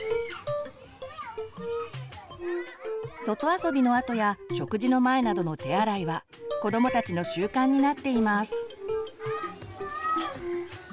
外遊びのあとや食事の前などの手洗いは子どもたちの習慣になっています。